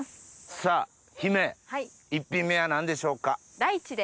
さぁ姫１品目は何でしょうか？